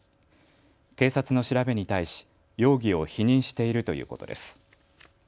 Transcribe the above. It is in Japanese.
警察の調べに対し容疑を否認しているということです。